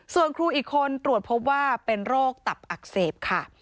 ส่วนครูอีกคนตรวจพบว่าเป็นโรคตับอักเสบค่ะ